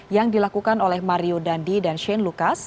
yang dilakukan oleh mario dandi dan shane lucas